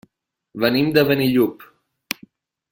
Venim de Benillup.